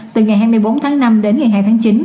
từ ngày hai mươi bốn tháng năm đến ngày hai tháng chín